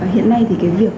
hiện nay thì cái việc